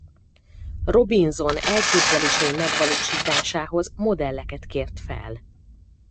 Robinson elképzelései megvalósításához modelleket kért fel.